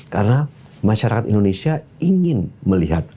karena masyarakat indonesia ingin melihat